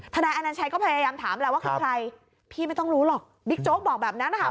นายอนัญชัยก็พยายามถามแล้วว่าคือใครพี่ไม่ต้องรู้หรอกบิ๊กโจ๊กบอกแบบนั้นนะคะ